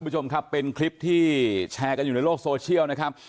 คุณผู้ชมครับเป็นคลิปที่แชร์กันอยู่ในโลกโซเชียลนะครับ